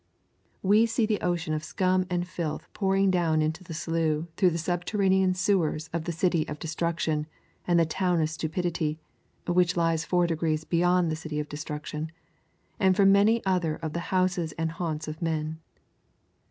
We see the ocean of scum and filth pouring down into the slough through the subterranean sewers of the City of Destruction and of the Town of Stupidity, which lies four degrees beyond the City of Destruction, and from many other of the houses and haunts of men.